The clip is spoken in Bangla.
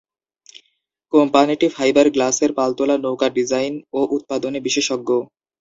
কোম্পানিটি ফাইবার গ্লাসের পালতোলা নৌকা ডিজাইন ও উৎপাদনে বিশেষজ্ঞ।